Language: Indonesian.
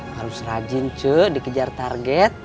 harus rajin cuk dikejar target